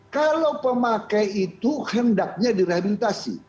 kalau pemakai itu hendaknya direhabilitasi